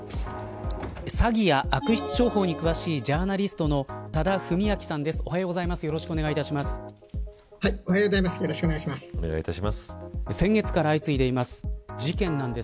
詐欺や悪質商法に詳しいジャーナリストの多田文明さんです。